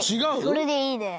それでいいです。